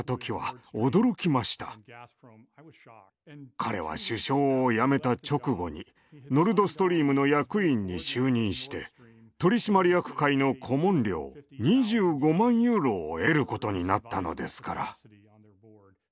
彼は首相を辞めた直後にノルドストリームの役員に就任して取締役会の顧問料２５万ユーロを得ることになったのですから。